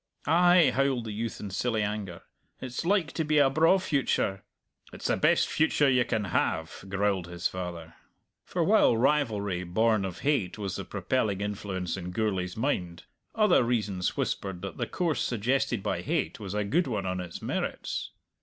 "Ay," howled the youth in silly anger, "it's like to be a braw future!" "It's the best future you can have!" growled his father. For while rivalry, born of hate, was the propelling influence in Gourlay's mind, other reasons whispered that the course suggested by hate was a good one on its merits.